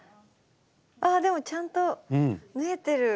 あでもちゃんと縫えてる。